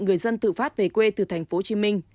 người dân tự phát về quê từ thành phố hồ chí minh